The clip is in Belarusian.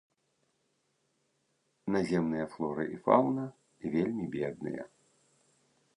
Наземныя флора і фаўна вельмі бедныя.